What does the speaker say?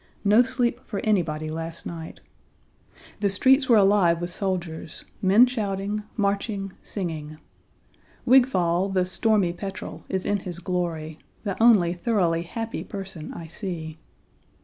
No sleep for anybody last night. The streets were alive with soldiers, men shouting, marching, singing. Wigfall, the "stormy petrel," is in his glory, the only thoroughly happy person I see.